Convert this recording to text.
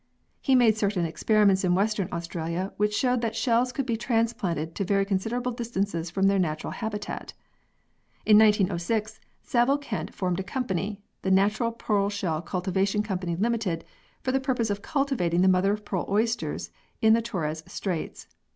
He made certain experiments in Western Australia which showed that shells could be transplanted to very considerable distances from their natural habitat. In 1906 Saville Kent formed a company The Natural Pearl Shell Cultivation Company, Ltd. for the purpose of cultivating the mother of pearl oysters in the Torres Straits.